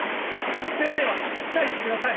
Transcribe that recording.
先生は退避してください